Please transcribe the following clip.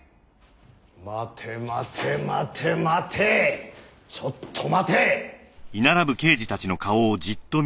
待て待て待て待てちょっと待て！